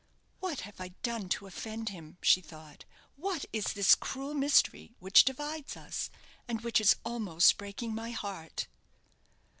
"What have I done to offend him?" she thought. "What is this cruel mystery which divides us, and which is almost breaking my heart?"